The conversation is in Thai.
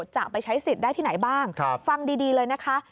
จะไปใช้สิทธิ์ได้ที่ไหนบ้างฟังดีเลยนะคะ